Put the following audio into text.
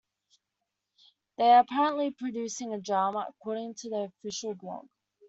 They are apparently producing a drama, according to their official blog.